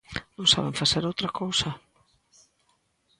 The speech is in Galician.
Non saben facer outra cousa.